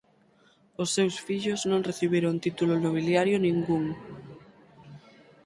Os seus fillos non recibiron título nobiliario ningún.